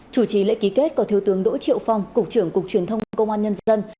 chủ trì lễ ký kết có thiếu tướng đỗ triệu phong cục trưởng cục truyền thông công an nhân dân